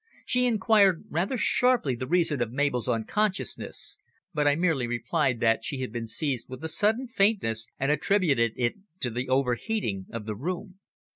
She inquired rather sharply the reason of Mabel's unconsciousness, but I merely replied that she had been seized with a sudden faintness, and attributed it to the overheating of the room.